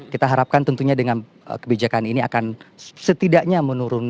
kita harapkan tentunya dengan kebijakan ini akan setidaknya menurun